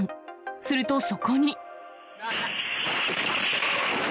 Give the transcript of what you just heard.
するとそこに。